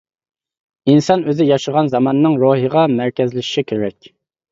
ئىنسان ئۆزى ياشىغان زاماننىڭ روھىغا مەركەزلىشىشى كېرەك.